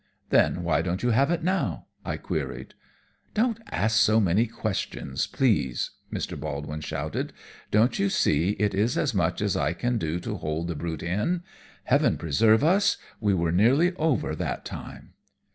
"Then why don't you have it now?" I queried. "Don't ask so many questions, please," Mr. Baldwin shouted. "Don't you see it is as much as I can do to hold the brute in? Heaven preserve us, we were nearly over that time."